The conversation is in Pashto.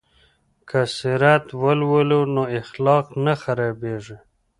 که سیرت ولولو نو اخلاق نه خرابیږي.